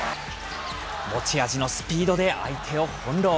持ち味のスピードで相手を翻弄。